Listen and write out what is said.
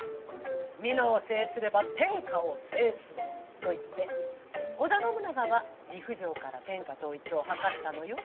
美濃を制すれば天下を制すと言って織田信長は岐阜城から天下統一をはかったのよ。